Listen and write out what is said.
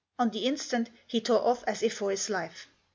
On the instant he tore off as if for his life.